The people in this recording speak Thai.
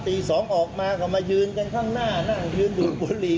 ตี๒ออกมาก็มายืนกันข้างหน้านั่งยืนดูดบุหรี่